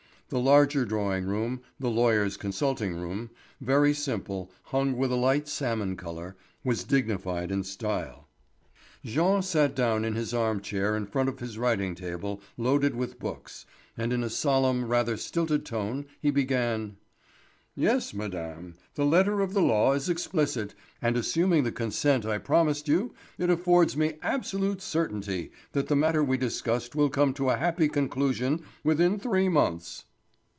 The larger drawing room—the lawyer's consulting room, very simple, hung with light salmon colour—was dignified in style. Jean sat down in his arm chair in front of his writing table loaded with books, and in a solemn, rather stilted tone, he began: "Yes, madame, the letter of the law is explicit, and, assuming the consent I promised you, it affords me absolute certainty that the matter we discussed will come to a happy conclusion within three months."